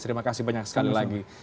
terima kasih banyak sekali lagi